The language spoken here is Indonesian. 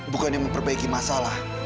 bukan memperbaiki masalah